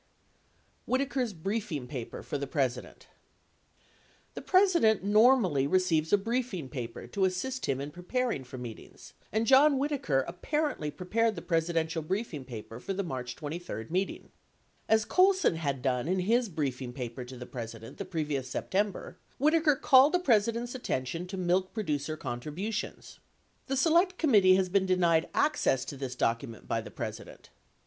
Whitaker's Briefing Pafer for the President The President normally receives a briefing paper to assist him in preparing for meetings, and John Whitaker apparently prepared the Presidential briefing paper for the March 23 meeting. As Colson had done in his briefing paper to the President the previous September, Whitaker called the President's attention to milk producer contri butions. The Select Committee has been denied access to this document by the President.